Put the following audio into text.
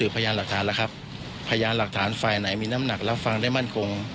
พยายามหลักฐานฝ่ายไหนมีน้ำหนักรับฟังได้มั่นคง